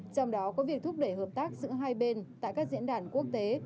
trong đó có việc thúc đẩy hợp tác giữa hai bên tại các diễn đàn quốc tế